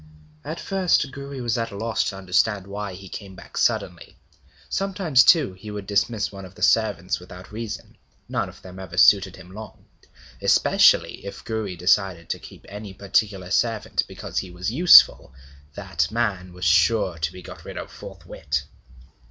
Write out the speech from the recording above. At first Gouri was at a loss to understand why he came back suddenly. Sometimes, too, he would dismiss one of the servants without reason; none of them ever suited him long. Especially if Gouri desired to keep any particular servant because he was useful, that man was sure to be got rid of forthwith.